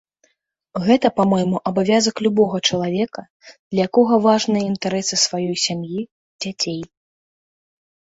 Гэта, па-мойму, абавязак любога чалавека, для якога важныя інтарэсы сваёй сям'і, дзяцей.